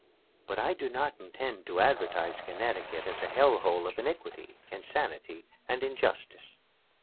But I do not intend to advertise Connecticut as a Hell hole of Iniquity, Insanity, and Injustice.